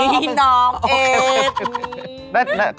นี่น้องเอดโอเค